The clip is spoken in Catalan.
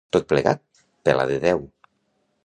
Tot plegat, pela de deu.